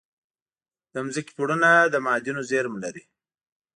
د ځمکې پوړونه د معادنو زیرمه لري.